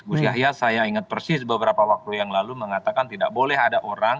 gus yahya saya ingat persis beberapa waktu yang lalu mengatakan tidak boleh ada orang